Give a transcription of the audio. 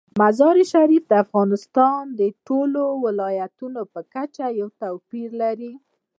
مزارشریف د افغانستان د ټولو ولایاتو په کچه یو توپیر لري.